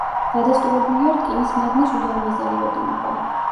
დადასტურებულია რკინის მადნის უზარმაზარი ოდენობა.